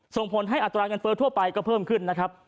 ส่งผลให้อัตราเงินเฟ้อทั่วไปก็เพิ่มขึ้นนะครับ